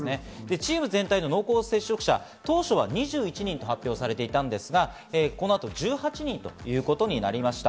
チーム全体の濃厚接触者、当初は２１人と発表されていましたが、この後、１８人ということになりました。